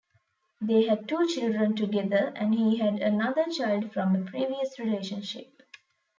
They had two children together and he had another child from a previous relationship.